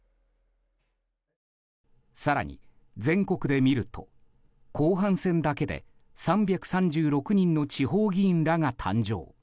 更に、全国で見ると後半戦だけで３３６人の地方議員らが誕生。